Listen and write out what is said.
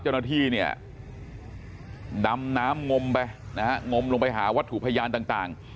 เจ้าหน้าที่เนี่ยดำน้ำงมไปนะฮะงมลงไปหาวัตถุพยานต่าง